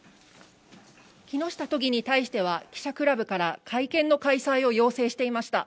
木下都議に対しては、記者クラブから会見の開催を要請していました。